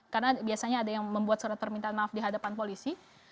karena biasanya ada yang membuat surat permintaan maaf di hadapan polisi